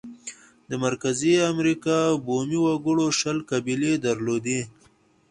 د مرکزي امریکا بومي وګړو شل قبیلې درلودې.